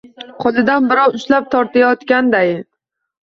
Qo‘lidan birov ushlab tortayotgandayin.